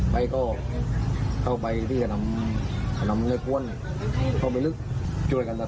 เขาก็เข้าไปที่สถานะแล้วเขาไปลึกคุยกับเค้า